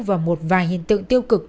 và một vài hiện tượng tiêu cực